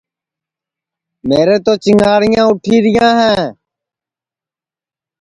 میرے تِو چِنگاٹِؔیاں اُوٹھِیرِیاں ہے